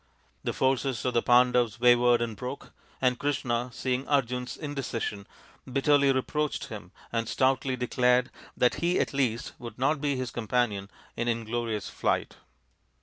The forces of the Pandavs wavered and broke, and Krishna, seeing Arjun's indecision, bitterly reproached him and stoutly declared that he at least would not be his companion in inglorious flight.